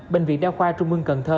bệnh viện đa khoa trung ương cần thơ